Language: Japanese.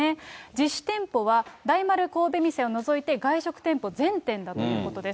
実施店舗は、大丸神戸店を除いて、外食店舗全店だということです。